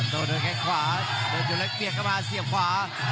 โดยชนเล็กเปียกกับมาเสียบขวา